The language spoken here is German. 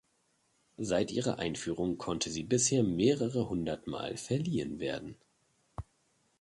Seit ihrer Einführung konnte sie bisher mehrere hundertmal verliehen werden.